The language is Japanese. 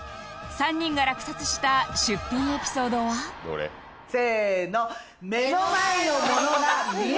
３人が落札した出品エピソードはせーの。